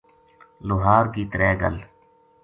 لوہار کی ترے گل